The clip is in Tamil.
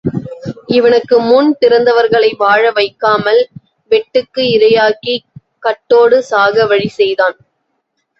இவனுக்கு முன் பிறந்தவர்களை வாழ வைக்காமல் வெட்டுக்கு இரையாக்கிக் கட்டோடு சாக வழி செய்தான்.